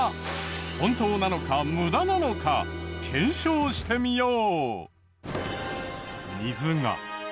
本当なのか無駄なのか検証してみよう！